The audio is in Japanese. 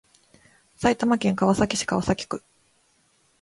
埼玉県川崎市川崎区